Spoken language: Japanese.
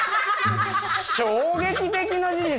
衝撃的な事実。